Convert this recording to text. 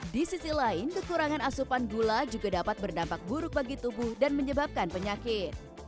di sisi lain kekurangan asupan gula juga dapat berdampak buruk bagi tubuh dan menyebabkan penyakit